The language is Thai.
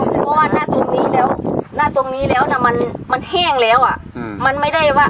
เพราะว่าหน้าตรงนี้แล้วหน้าตรงนี้แล้วนะมันแห้งแล้วอ่ะ